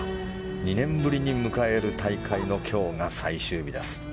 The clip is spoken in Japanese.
２年ぶりに迎える大会の今日が最終日です。